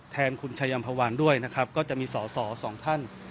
แทนคุณชายัมภาวันด้วยนะครับก็จะมีสอสอสองท่าน